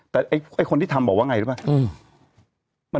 แต่คนที่ทำบอกว่าไงรู้ป่ะ